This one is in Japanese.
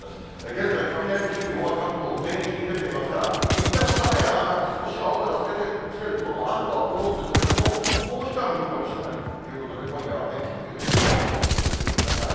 現在、雷注意報は関東全域に出ていますから、いったん雨が上がって、少し青空、透けてきている所もあるとは思うんですけれども、もう一雨降るかもしれないということで、今夜は天気の急変にも注意をしておいてください。